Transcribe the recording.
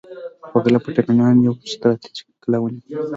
هغوی له پرتګالیانو یوه ستراتیژیکه کلا ونیوله.